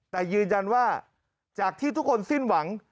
แต่ยืนยันว่าจากที่ทุกคนสิ้นหวัง